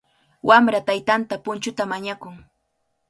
Wamra taytanta punchuta mañakun.